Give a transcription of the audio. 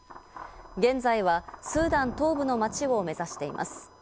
現在はスーダン東部の町を目指しています。